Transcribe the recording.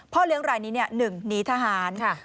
เลี้ยงรายนี้๑หนีทหาร